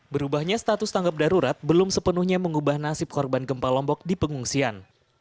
berubahnya status tanggap darurat belum sepenuhnya mengubah nasib korban gempa lombok di pengungsian